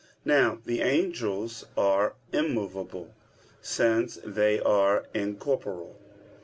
Now the angels are immovable, since they are incorporeal.